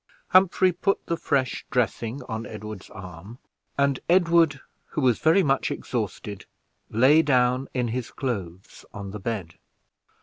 Humphrey put the fresh dressing on Edward's arm; and Edward, who was very much exhausted, lay down in his clothes on the bed.